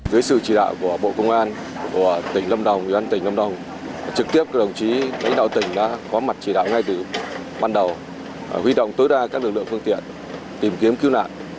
với sự chỉ đạo của bộ công an của tỉnh lâm đồng trực tiếp đồng chí đánh đạo tỉnh có mặt chỉ đạo ngay từ ban đầu huy động tối đa các lực lượng phương tiện tìm kiếm cứu nạn